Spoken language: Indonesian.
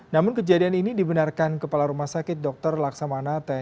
namun kejadian ini dibenarkan kepala rumah sakit dr laksamana tni